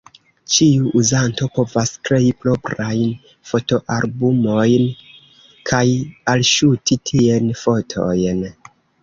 Ĉiu uzanto povas krei proprajn fotoalbumojn kaj alŝuti tien fotojn.